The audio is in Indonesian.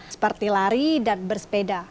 seperti lari dan bersepeda